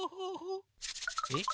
えっ？